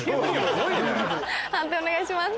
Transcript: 判定お願いします。